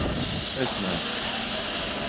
Es ne...